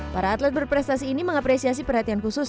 para atlet berprestasi ini mengapresiasi perhatian khusus